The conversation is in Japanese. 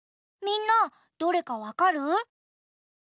みんなどれかわかる？